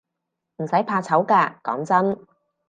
唔使怕醜㗎，講真